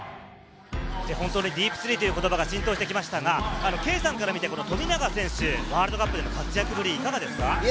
本当に「ディープスリー」という言葉が浸透してきましたが、圭さんから見て富永選手、ワールドカップでの活躍ぶり、いかがですか？